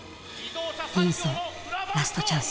Ｄンソーラストチャンス。